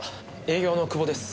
営業の久保です。